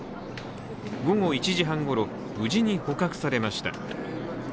午後１時半ごろ、無事に捕獲されました。